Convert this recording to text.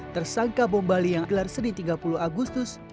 tersangka bom bali yang gelar senin tiga puluh agustus